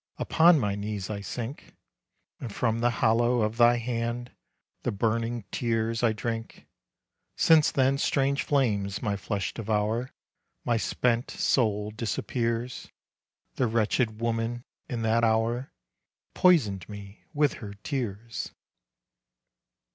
Upon my knees I sink, And from the hollow of thy hand The burning tears I drink. Since then strange flames my flesh devour, My spent soul disappears, The wretched woman in that hour Poisoned me with her tears.